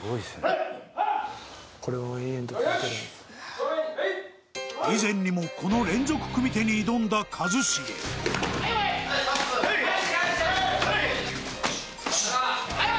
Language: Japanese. これ以前にもこの連続組手に挑んだ一茂はいやめ！